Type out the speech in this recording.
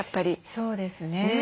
そうですね。